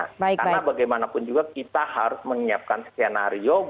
karena bagaimanapun juga kita harus menyiapkan skenario